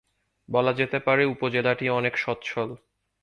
বলা যেতে পারে উপজেলাটি অনেক সচ্ছল।